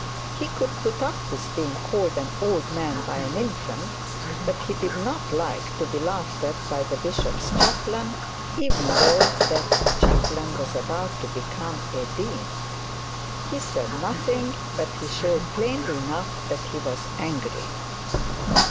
He could put up with being called an old man by an infant, but he did not like to be laughed at by the bishop's chaplain, even though that chaplain was about to become a dean. He said nothing, but he showed plainly enough that he was angry.